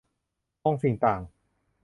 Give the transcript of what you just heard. มองสิ่งต่าง